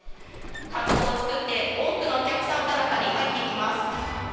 間隔を作って多くのお客さんが中に入っていきます。